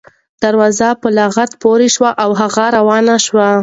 دروازه په لغته پورې شوه او هغه روان شو.